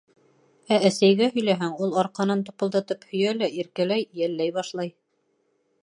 Ә әсәйгә һөйләһәң, ул арҡанан тыпылдатып һөйә лә иркәләй, йәлләй башлай.